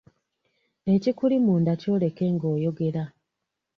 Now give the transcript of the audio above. Ekikuli munda kyoleke ng'oyogera.